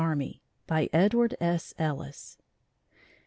By Edward S. Ellis.